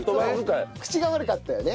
口が悪かったよね。